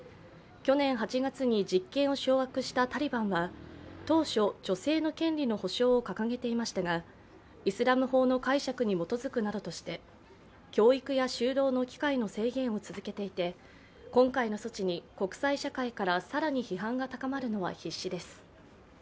去年８月に実権を掌握したタリバンは当初、女性の権利の保障を掲げていましたがイスラム法の解釈に基づくなどとして教育や就労の機会の制限を続けていて今回の措置に国際社会から更に批判が高まるのは必至です。